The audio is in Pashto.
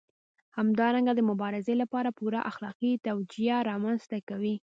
همدارنګه د مبارزې لپاره پوره اخلاقي توجیه رامنځته کوي.